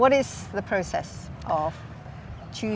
jadi apa prosesnya